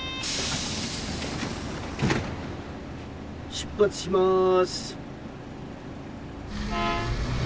「出発します」。